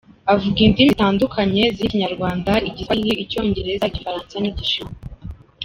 Avuga indimi zitandukanye zirimo Ikinyarwanda, Igiswayili, Icyongereza, Igifaransa, n’Igishinwa.